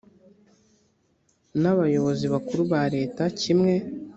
ni abayobozi bakuru ba leta kimwe